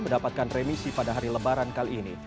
mendapatkan remisi pada hari lebaran kali ini